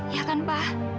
ya kan pa